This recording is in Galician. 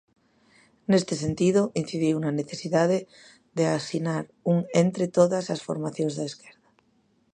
Neste sentido, incidiu na necesidade de asinar un entre todas as formacións da esquerda.